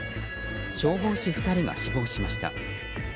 消防士２人が死亡しました。